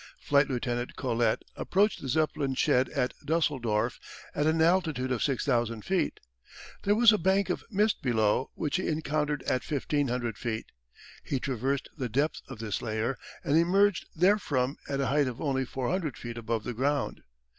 Flight Lieutenant Collet approached the Zeppelin shed at Dusseldorf at an altitude of 6,000 feet. There was a bank of mist below, which he encountered at 1,500 feet. He traversed the depth of this layer and emerged therefrom at a height of only 400 feet above the ground.